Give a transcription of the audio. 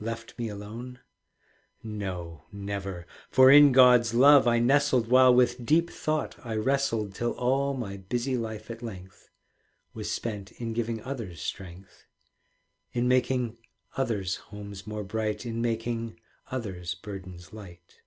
Left me alone? No, never. For in God's love I nestled, While with deep thought I wrestled, Till all my busy life at length Was spent in giving others strength, In making others' homes more bright, In making others' burdens light.